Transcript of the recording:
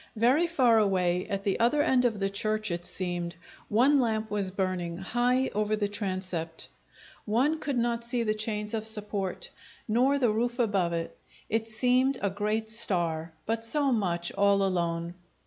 Very far away, at the other end of the church it seemed, one lamp was burning, high over the transept. One could not see the chains of support nor the roof above it; it seemed a great star, but so much all alone.